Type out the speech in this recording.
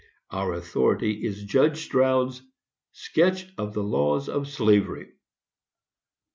Our authority is Judge Stroud's "Sketch of the Laws of Slavery."